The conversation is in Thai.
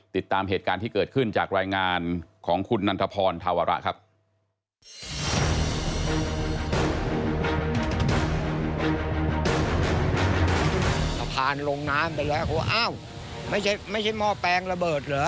ติดตามเหตุการณ์ที่เกิดขึ้นจากรายงานของคุณนันทพรธาวระครับ